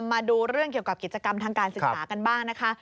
มาดูเรื่องเกี่ยวกับกิจกรรมทางการศึกษากันบ้างนะคะ